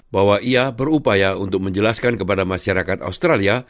bahwa ia berupaya untuk menjelaskan kepada masyarakat australia